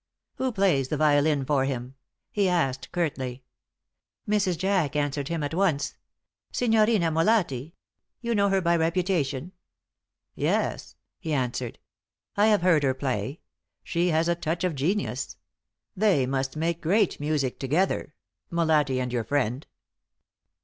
"Who plays the violin for him?" he asked, curtly. Mrs. Jack answered him at once. "Signorina Molatti. You know her by reputation?" "Yes," he answered; "I have heard her play. She has a touch of genius. They must make great music together Molatti and your friend."